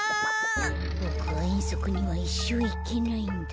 ボクはえんそくにはいっしょういけないんだ。